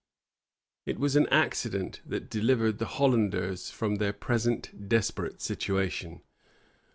It was an accident that delivered the Hollanders from their present desperate situation.